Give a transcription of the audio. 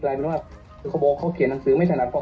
ว่าคือเขาบอกเขาเขียนหนังสือไม่ถนัดพ่อ